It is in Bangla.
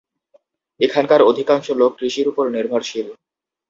এখানকার অধিকাংশ লোক কৃষির উপর নির্ভরশীল।